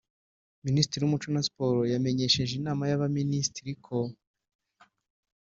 b) Minisitiri w’Umuco na Siporo yamenyesheje Inama y’Abaminisitiri ko